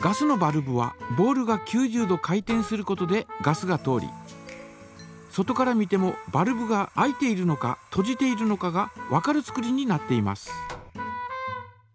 ガスのバルブはボールが９０度回転することでガスが通り外から見てもバルブが開いているのかとじているのかがわかる作りになっています。